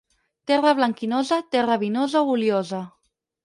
Terra blanquinosa, terra vinosa o oliosa.